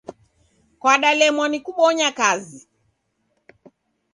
Kwadalemwa ni kubonya kazi.